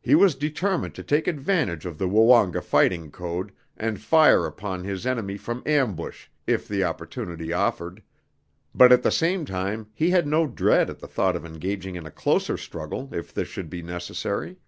He was determined to take advantage of the Woonga fighting code and fire upon his enemy from ambush if the opportunity offered, but at the same time he had no dread at the thought of engaging in a closer struggle if this should be necessary.